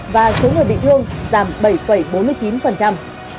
và số người bị thương giảm bảy bốn mươi chín